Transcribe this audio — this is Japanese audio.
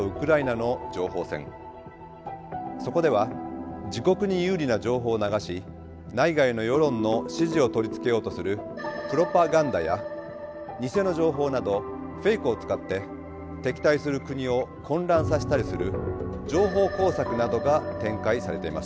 そこでは自国に有利な情報を流し内外の世論の支持を取り付けようとするプロパガンダや偽の情報などフェイクを使って敵対する国を混乱させたりする情報工作などが展開されています。